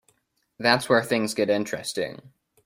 That's where things get interesting.